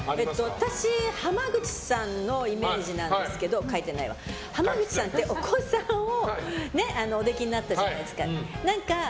私濱口さんのイメージなんですけど濱口さんってお子さんおできになったじゃないですか。